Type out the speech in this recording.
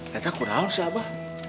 ternyata kurang siapa